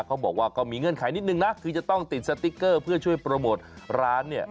เขาบอกว่าก็มีเงื่อนไขนิดนึงนะคือจะต้องติดสติ๊กเกอร์เพื่อช่วยโปรโมทร้านเนี่ย